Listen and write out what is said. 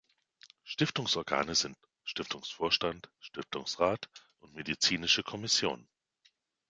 Stiftungsorgane sind Stiftungsvorstand, Stiftungsrat und Medizinische Kommission.